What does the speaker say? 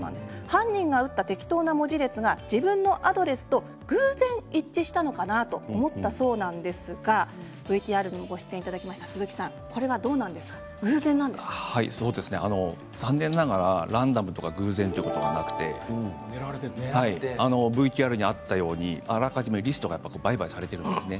犯人が打った適当な文字列が自分のアドレスと偶然、一致したのかな？と思ったそうなんですがＶＴＲにご出演いただきました残念ながらランダムとか偶然ではなくてＶＴＲにあったようにあらかじめリストが売買されています。